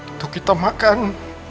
untuk kita makan